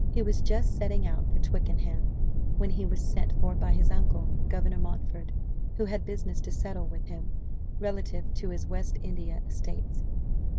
He was just setting out for Twickenham, when he was sent for by his uncle, Governor Montford, who had business to settle with him, relative to his West India estates.